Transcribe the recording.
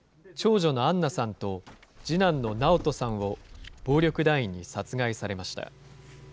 長女の杏菜さんと、次男の直人さんを暴力団員に殺害されました。